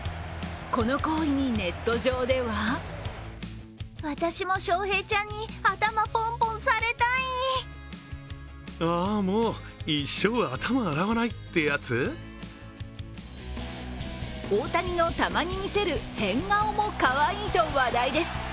この行為にネット上では大谷の球に見せる変顔もかわいいと話題です。